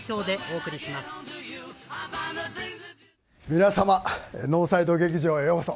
皆様、ノーサイド劇場へようこそ。